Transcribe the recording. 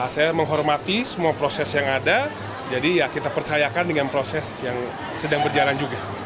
saya menghormati semua proses yang ada jadi ya kita percayakan dengan proses yang sedang berjalan juga